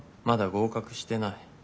まだ合格してない。